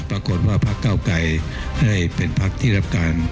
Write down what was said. ปรากฏว่าภาคเก้าไกรให้เป็นภาคที่รับการ